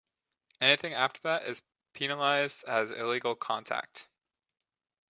Anything after that is penalized as illegal contact.